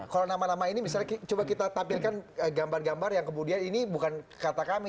kalau nama nama ini misalnya coba kita tampilkan gambar gambar yang kemudian ini bukan kata kami